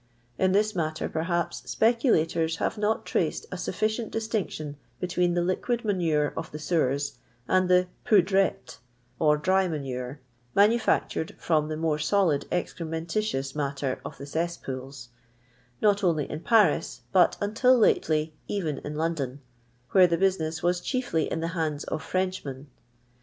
In this matter, perhaps, spccukitors hare not traced a sufficient distinction between the liquid manure of the sewers and the povdrette,'* or dry manure, manufactured from the more solid ex ' cremfutiiious matter of the cesspools, not only ; in Paris, but, until lately, cren in London, where the business was chiefly in the hands of French men.